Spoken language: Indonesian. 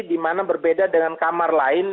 di mana berbeda dengan kamar lain